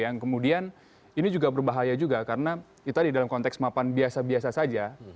yang kemudian ini juga berbahaya juga karena itu tadi dalam konteks mapan biasa biasa saja